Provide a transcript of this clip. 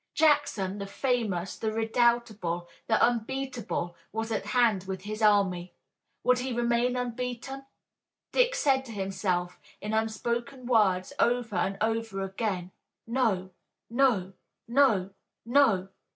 Jackson, the famous, the redoubtable, the unbeatable, was at hand with his army. Would he remain unbeaten? Dick said to himself, in unspoken words, over and over again, "No! No! No! No!"